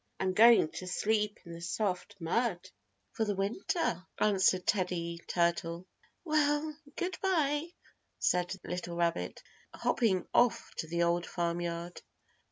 I'm going to sleep in the soft mud for the winter," answered Teddy Turtle. "Well, goodby," said the little rabbit, hopping off to the Old Farm Yard.